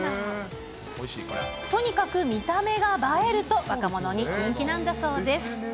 とにかく見た目が映えると、若者に人気なんだそうです。